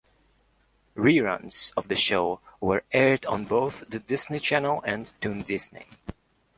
Reruns of the show were aired on both The Disney Channel and Toon Disney.